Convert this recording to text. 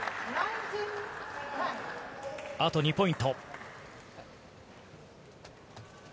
あと２ポイント。